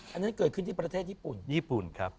อันนั้นเกิดขึ้นที่ประเทศญี่ปุ่นญี่ปุ่นครับ